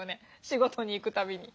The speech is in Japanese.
仕事に行く度に。